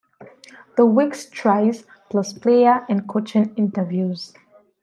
The week's tries, plus player and coaching interviews.